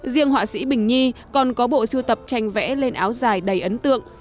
riêng họa sĩ bình nhi còn có bộ sưu tập tranh vẽ lên áo dài đầy ấn tượng